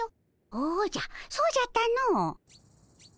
おじゃそうじゃったの。